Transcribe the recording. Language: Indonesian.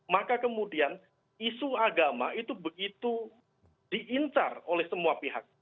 maka kemudian isu agama itu begitu diincar oleh semua pihak